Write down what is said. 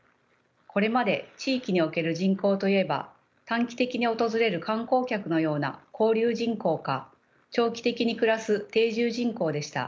これまで地域における人口といえば短期的に訪れる観光客のような交流人口か長期的に暮らす定住人口でした。